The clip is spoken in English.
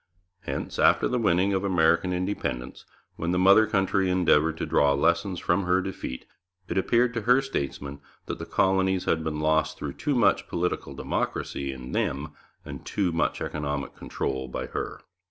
Hence, after the winning of American independence, when the mother country endeavoured to draw lessons from her defeat, it appeared to her statesmen that the colonies had been lost through too much political democracy in them and too much economic control by her.